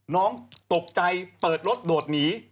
น้องตกใจเปิดรถโดดหนี